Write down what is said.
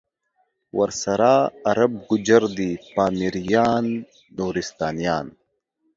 ورسره عرب، گوجر دی پامیریان، نورستانیان